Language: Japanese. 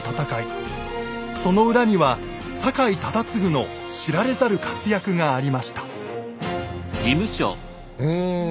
その裏には酒井忠次の知られざる活躍がありましたうん！